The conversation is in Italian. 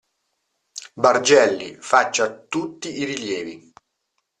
Bargelli, faccia tutti i rilievi.